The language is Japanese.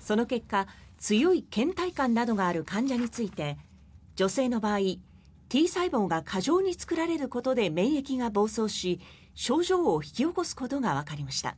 その結果強いけん怠感などがある患者について女性の場合Ｔ細胞が過剰に作られることで免疫が暴走し症状を引き起こすことがわかりました。